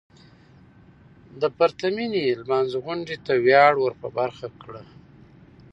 د پرتمينې لمانځغونډې ته وياړ ور په برخه کړه .